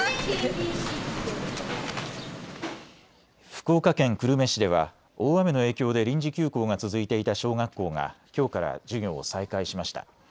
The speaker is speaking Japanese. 福岡県久留米市では大雨の影響で臨時休校が続いていた小学校がきょうから授業を再開しました。